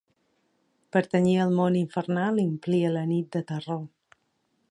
Pertanyia al món infernal i omplia la nit de terror.